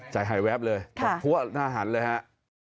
ใจหายแวบเลยทั่วหน้าหันเลยฮะ